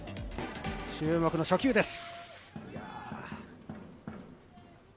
注目の初球です。